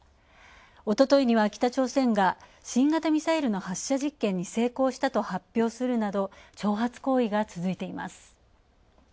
おとといには北朝鮮が新型ミサイルの発射実験に成功したと発表するなど挑発行為が続いています。